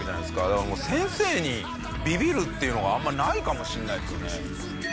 だからもう先生にビビるっていうのがあんまないかもしれないですよね。